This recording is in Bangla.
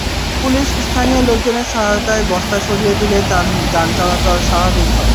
পুলিশ স্থানীয় লোকজনের সহায়তায় বস্তা সরিয়ে দিলে যান চলাচল স্বাভাবিক হয়।